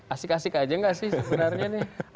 asik asik aja nggak sih sebenarnya nih